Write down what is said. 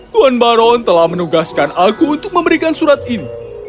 tuan baron telah menugaskan aku untuk memberikan surat ini